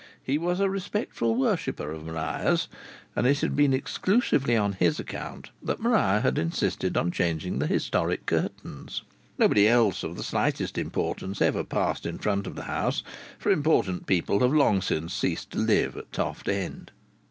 He was a respectful worshipper of Maria's, and it had been exclusively on his account that Maria had insisted on changing the historic curtains. Nobody else of the slightest importance ever passed in front of the house, for important people have long since ceased to live at Toft End.